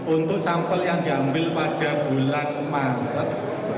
untuk sampel yang diambil pada bulan maret